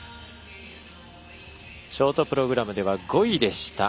ショートプログラムでは５位でした。